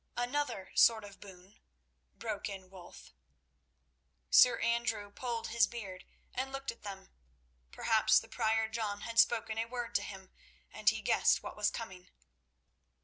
"Another sort of boon," broke in Wulf. Sir Andrew pulled his beard, and looked at them. Perhaps the Prior John had spoken a word to him, and he guessed what was coming.